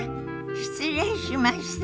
失礼しました。